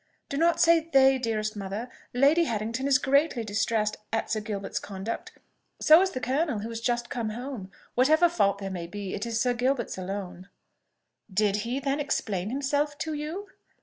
"Do not say they, dearest mother! Lady Harrington is greatly distressed at Sir Gilbert's conduct: so is the colonel, who is just come home. Whatever fault there may be, it is Sir Gilbert's alone." "Did he, then, explain himself to you?"